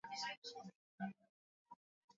Pamoja Ilkidinga Kisongo Musa Matevesi na Oljoro